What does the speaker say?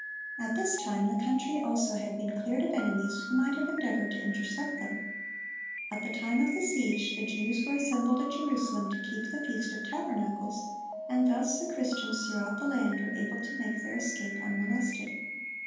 At this time the country also had been cleared of enemies who might have endeavored to intercept them. At the time of the siege, the Jews were assembled at Jerusalem to keep the Feast of Tabernacles, and thus the Christians throughout the land were able to make their escape unmolested.